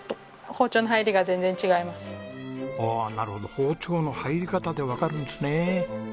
包丁の入り方でわかるんですね。